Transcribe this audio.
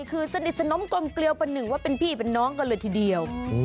คือสนิทสนมกลมเกลียวประหนึ่งว่าเป็นพี่เป็นน้องกันเลยทีเดียว